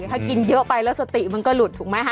ถ้ากินเยอะไปแล้วสติมันก็หลุดถูกไหมฮ